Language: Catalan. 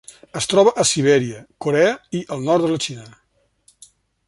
Es troba a Sibèria, Corea i el nord de la Xina.